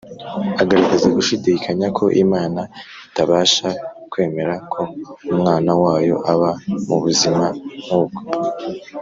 Agaragaza gushidikanya ko Imana itabasha kwemera ko Umwana wayo aba mu buzima nkubwo.